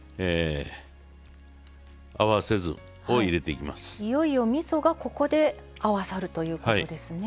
いよいよみそがここで合わさるということですね。